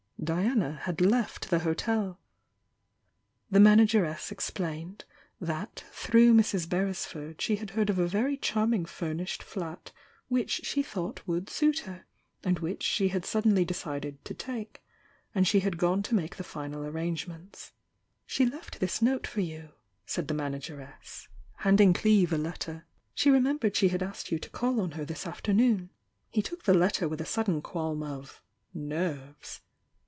Diana had left the hotel. The manageress explained that through Mrs. Beres ford she had heard of a very charming furnished flat which she thought would suit her, and which she had suddenly decided to take, and she had gone to make the final arrangements. "She left this note for you," said the manageress, handing Cleeve a letter. "She remembered she had asked you to call on her this afternoon." He took the letter with a sudden qualm of "nerves."